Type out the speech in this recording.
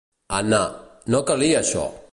Anna, no calia això!